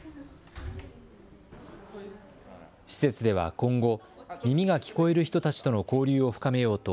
施設では今後、耳が聞こえる人たちとの交流を深めようと、